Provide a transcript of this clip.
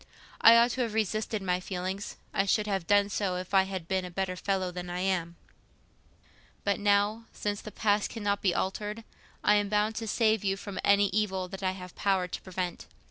I ought to have resisted my feelings. I should have done so, if I had been a better fellow than I am; but now, since the past cannot be altered, I am bound to save you from any evil that I have power to prevent.